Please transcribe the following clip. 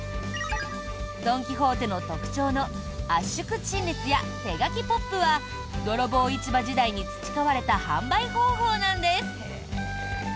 ドン・キホーテの特徴の圧縮陳列や手書きＰＯＰは泥棒市場時代に培われた販売方法なんです。